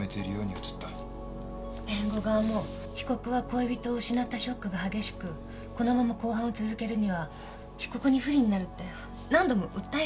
弁護側も被告は恋人を失ったショックが激しくこのまま公判を続けるには被告に不利になるって何度も訴えている。